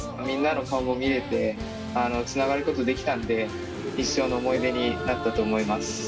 みんなの顔も見れてつながることできたんで一生の思い出になったと思います。